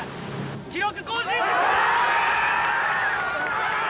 ・記録更新！